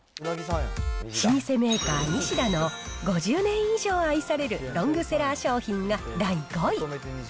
老舗メーカー、ニシダの５０年以上愛されるロングセラー商品が第５位。